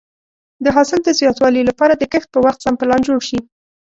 د حاصل د زیاتوالي لپاره د کښت په وخت سم پلان جوړ شي.